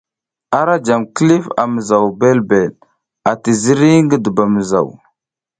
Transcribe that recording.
Ara jam kilif a mizaw ɓelɓel ati ziri ngi dubamizaw.